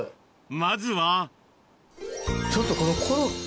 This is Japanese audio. まずはちょっとこのコロッケ。